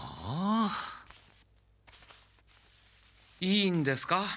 いいんですか？